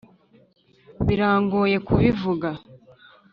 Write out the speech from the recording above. birangoye kubivuga